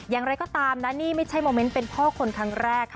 อย่างไรก็ตามนะนี่ไม่ใช่โมเมนต์เป็นพ่อคนครั้งแรกค่ะ